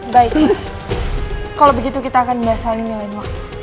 baik kalau begitu kita akan bahas hal ini lain waktu